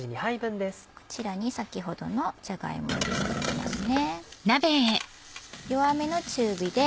こちらに先ほどのじゃが芋を入れていきますね。